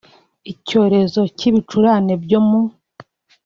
Icyorezo cy’ibicurane byo mu